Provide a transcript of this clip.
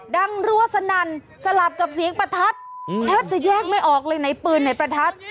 รั้วสนั่นสลับกับเสียงประทัดแทบจะแยกไม่ออกเลยไหนปืนไหนประทัด